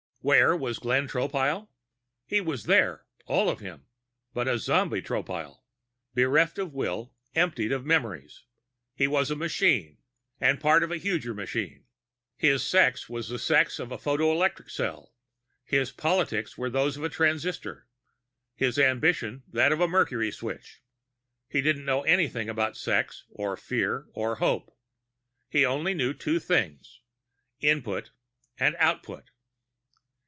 Where was Glenn Tropile? He was there, all of him, but a zombie Tropile. Bereft of will, emptied of memories. He was a machine and part of a huger machine. His sex was the sex of a photoelectric cell; his politics were those of a transistor; his ambition that of a mercury switch. He didn't know anything about sex, or fear, or hope. He only knew two things: Input and Output.